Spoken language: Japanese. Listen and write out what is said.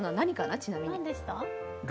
ちなみに。